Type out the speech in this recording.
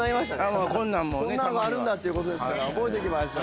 こんなのがあるんだっていうことですから覚えときましょう。